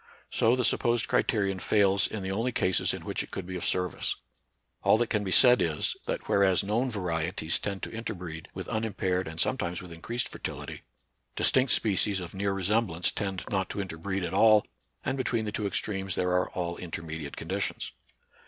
So the supposed criterion fails in the only cases in which it could be of service. All that can be said is, that whereas known varieties tend to interbreed with unimpaired and sometimes with increased fertility, distinct species of near re semblance tend not to interbreed at all ; and between the two extremes there are all inter mediate conditions.